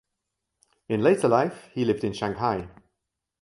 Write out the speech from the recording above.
In later life he lived in Shanghai.